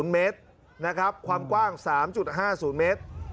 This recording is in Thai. ๑เมตรนะครับความกว้าง๓๕๐เมตร